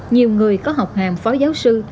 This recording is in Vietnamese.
nhiều người có học hàm phó giáo sư